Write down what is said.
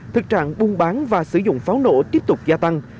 thực trạng buôn bán và sử dụng pháo nổ tiếp tục gia tăng